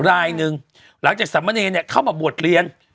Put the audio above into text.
รายหนึ่งหลังจากสามเณรเข้ามาบวชเรียน